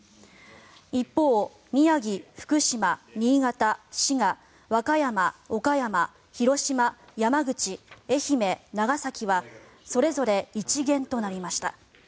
一方、宮城、福島、新潟、滋賀和歌山、岡山、広島、山口愛媛、長崎はそれぞれ１減となりました。